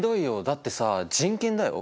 だってさ人権だよ。